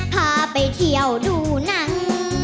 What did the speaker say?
พาไปเที่ยวดูหนัง